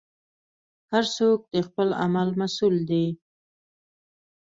هر څوک د خپل عمل مسوول دی.